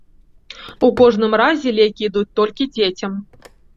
У кожным разе, лекі ідуць толькі дзецям.